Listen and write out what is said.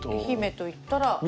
愛媛といったら。